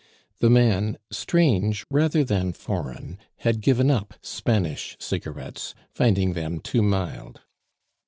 The man, strange rather than foreign, had given up Spanish cigarettes, finding them too mild.